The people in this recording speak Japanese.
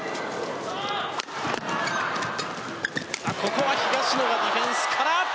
ここは東野がディフェンスから。